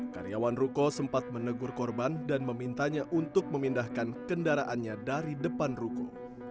karyawan ruko sempat menegur korban dan memintanya untuk memindahkan kendaraannya dari depan ruko